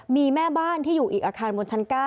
มีแม่บ้านที่อยู่อีกอาคารบนชั้น๙